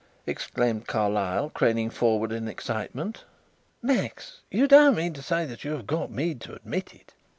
exclaimed Carlyle, craning forward in excitement. "Max! you don't mean to say that you have got Mead to admit it?"